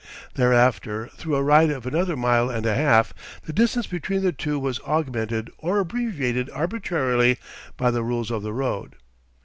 Thereafter through a ride of another mile and a half, the distance between the two was augmented or abbreviated arbitrarily by the rules of the road.